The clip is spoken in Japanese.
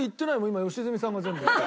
今良純さんが全部言った。